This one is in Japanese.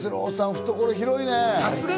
懐広いね。